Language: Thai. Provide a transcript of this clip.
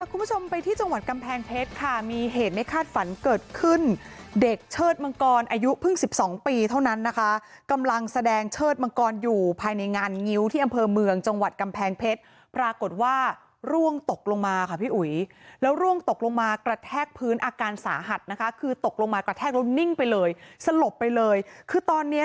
คุณผู้ชมไปที่จังหวัดกำแพงเพชรค่ะมีเหตุไม่คาดฝันเกิดขึ้นเด็กเชิดมังกรอายุเพิ่งสิบสองปีเท่านั้นนะคะกำลังแสดงเชิดมังกรอยู่ภายในงานงิ้วที่อำเภอเมืองจังหวัดกำแพงเพชรปรากฏว่าร่วงตกลงมาค่ะพี่อุ๋ยแล้วร่วงตกลงมากระแทกพื้นอาการสาหัสนะคะคือตกลงมากระแทกแล้วนิ่งไปเลยสลบไปเลยคือตอนเนี้ย